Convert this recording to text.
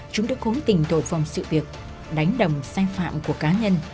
chúng đã cố tình thổi phòng sự tiệc đánh đồng sai phạm của cá nhân